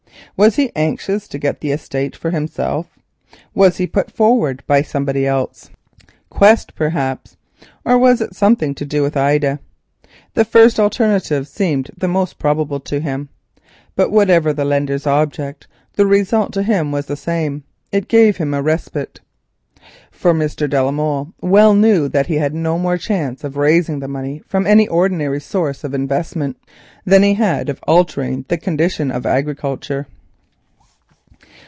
Was he anxious to get the estate for himself? Was he put forward by somebody else? Quest, perhaps; or was it something to do with Ida? The first alternative seemed the most probable to him. But whatever the lender's object, the result to him was the same, it gave him a respite. For Mr. de la Molle well knew that he had no more chance of raising the money from an ordinary source, than he had of altering the condition of agriculture.